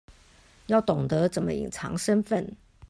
要懂得怎麼隱藏身份